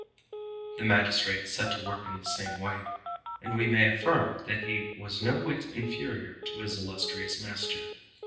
The magistrate set to work in the same way, and we may affirm that he was no whit inferior to his illustrious master.